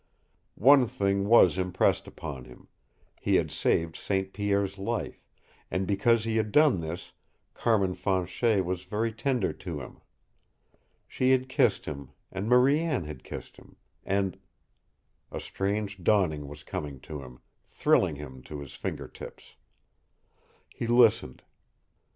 One thing was impressed upon him he had saved St. Pierre's life, and because he had done this Carmin Fanchet was very tender to him. She had kissed him, and Marie Anne had kissed him, and A strange dawning was coming to him, thrilling him to his finger tips. He listened.